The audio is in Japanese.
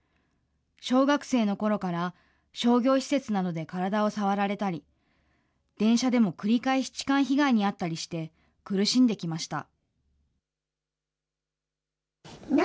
小学生のころから商業施設などで体を触られたり、電車でも繰り返し痴漢被害に遭ったりして、苦しんできました。